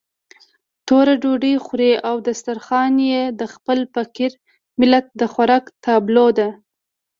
توره ډوډۍ خوري او دسترخوان يې د خپل فقير ملت د خوراک تابلو ده.